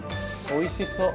おいしそう。